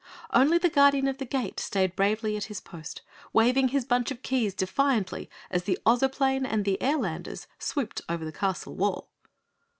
Only the Guardian of the Gate stayed bravely at his post, waving his bunch of keys defiantly as the Ozoplane and the Airlanders swooped over the castle wall.